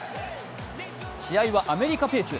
試合はアメリカペース。